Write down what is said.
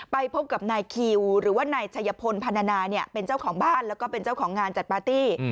ไปพบกับนายคิวหรือว่านายชัยพลพันธนาเป็นเจ้าของบ้านแล้วก็เป็นเจ้าของงานจัดปาร์ตี้